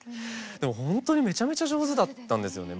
でもほんとにめちゃめちゃ上手だったんですよね。